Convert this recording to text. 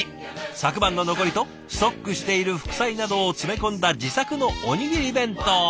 昨晩の残りとストックしている副菜などを詰め込んだ自作のおにぎり弁当。